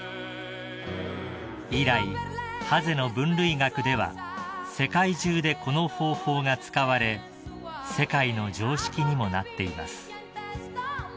［以来ハゼの分類学では世界中でこの方法が使われ世界の常識にもなっています］